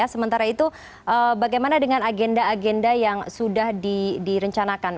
sementara itu bagaimana dengan agenda agenda yang sudah direncanakan